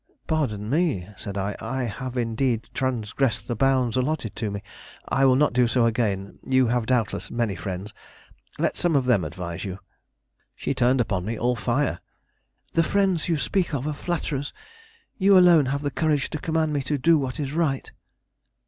"Pardon me," said I, "I have indeed transgressed the bounds allotted to me. I will not do so again; you have doubtless many friends; let some of them advise you." She turned upon me all fire. "The friends you speak of are flatterers. You alone have the courage to command me to do what is right."